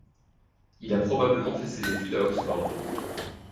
Il a probablement fait ses études à Oxford.